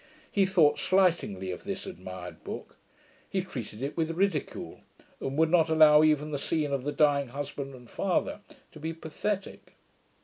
He thought slightingly of this admired book. He treated it with ridicule, and would not allow even the scene of the dying husband and father to be pathetick.